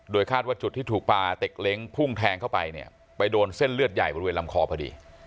คาดว่าจุดที่ถูกปลาเต็กเล้งพุ่งแทงเข้าไปเนี่ยไปโดนเส้นเลือดใหญ่บริเวณลำคอพอดี